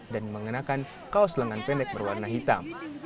mengenakan kaos lengan pendek berwarna hitam